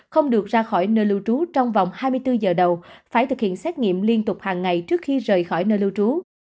không được ra khỏi nơi lưu trú